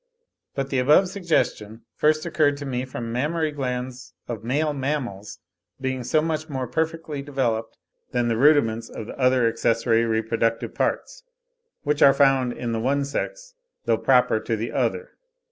But the above suggestion first occurred to me from mammary glands of male mammals being so much more perfectly developed than the rudiments of the other accessory reproductive parts, which are found in the one sex though proper to the other.